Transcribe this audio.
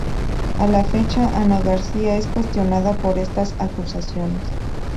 A la fecha Ana García es cuestionada por estas acusaciones.